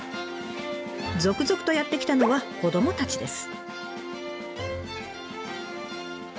続々とやって来たのは子どもたちです。